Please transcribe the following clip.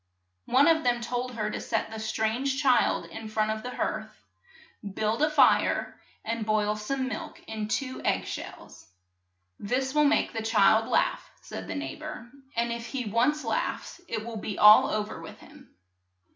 One of them told her to set the strange child in front of the hearth, build a fire, and boil some milk in two egg shells. ^r^?% "This will make the child laugh," said the neigh bor, and if he once laughs it will be all o ver with him."